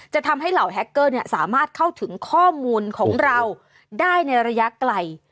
ทำให้เหล่าแฮคเกอร์สามารถเข้าถึงข้อมูลของเราได้ในระยะไกล